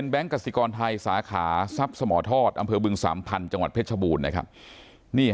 กสิกรไทยสาขาทรัพย์สมทอดอำเภอบึงสามพันธุ์จังหวัดเพชรบูรณ์นะครับ